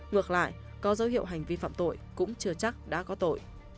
ngược lại có dấu hiệu hành vi phạm tội cũng chưa chắc đã có tội